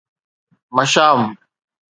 مشام